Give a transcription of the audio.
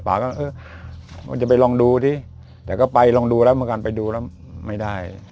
ปาก็เออว่าจะไปลองดูสิแต่ก็ไปลองดูแล้วบางครั้งไปดูแล้วไม่ได้